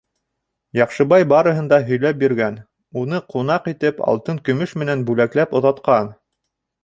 Яҡшыбай барыһын да һөйләп биргән, уны ҡунаҡ итеп, алтын-көмөш менән бүләкләп оҙатҡан.